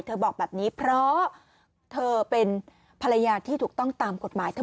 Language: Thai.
บอกแบบนี้เพราะเธอเป็นภรรยาที่ถูกต้องตามกฎหมาย